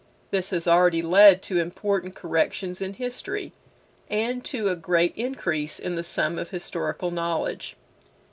This has already led to important corrections in history, and to a great increase in the sum of historical knowledge.